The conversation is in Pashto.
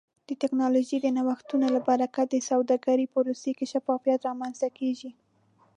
د ټکنالوژۍ د نوښتونو له برکته د سوداګرۍ پروسې کې شفافیت رامنځته کیږي.